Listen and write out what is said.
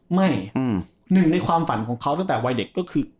หนึ่งในความฝันของเขาตั้งแต่วัยเด็กก็คือ